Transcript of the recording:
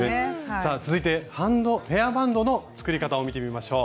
さあ続いてヘアバンドの作り方を見てみましょう。